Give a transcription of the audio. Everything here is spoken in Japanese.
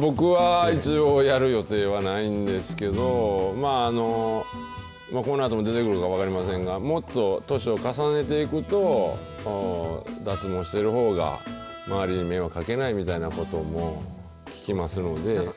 僕は一応やる予定はないんですけど、まあ、このあとも出てくるかも分かりませんが、もっと年を重ねていくと、脱毛してるほうが、周りに迷惑かけないみたいなことも聞きますので。